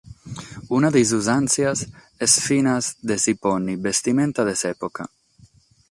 Una de sas usàntzias est finas de si pònnere bestimenta de s’època.